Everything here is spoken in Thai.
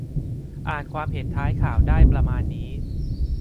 อ่านความเห็นท้ายข่าวได้ประมาณนี้